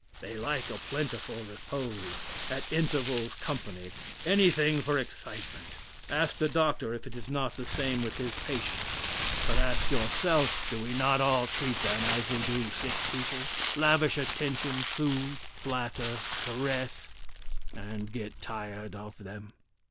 They like a plentiful repose, at intervals company; anything for excitement. Ask the doctor if it is not the same with his patients. But ask yourself, do we not all treat them as we do sick people, lavish attention, soothe, flatter, caress, and get tired of them?